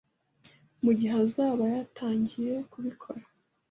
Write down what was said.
mu gihe azaba yatangiye kubikora